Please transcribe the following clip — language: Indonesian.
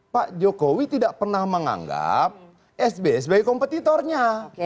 pak jokowi tidak pernah menganggap sby sebagai kompetitornya